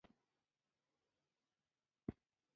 غریب له زوره نه خو له دعا سره ژوند کوي